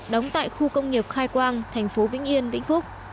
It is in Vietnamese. đóng tại khu công nghiệp khai quang thành phố vĩnh yên vĩnh phúc